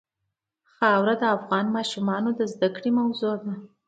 خاوره د افغان ماشومانو د زده کړې موضوع ده.